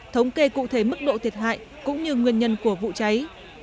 thống kê cụ thể mức độ thiệt hại cũng như nguyên nhân của vụ cháy